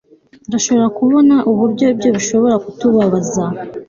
ndashobora kubona uburyo ibyo bishobora kutubabaza